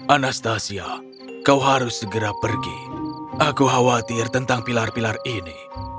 anastasia kau harus segera pergi aku khawatir tentang pilar pilar ini